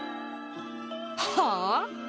はあ？